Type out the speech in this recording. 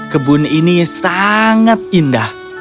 kebun ini sangat indah